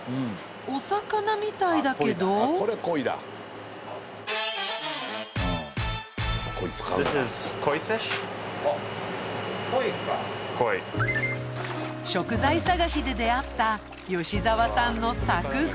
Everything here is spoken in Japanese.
お魚みたいだけど食材探しで出会った吉澤さんの佐久鯉